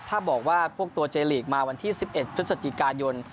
ถ้าบอกว่าพวกตัวเจลีกมาวันที่๑๑พฤศจิกายน